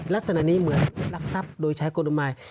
ลักษณะนี้เหมือนรักษัพโดยใช้โกนอุบาย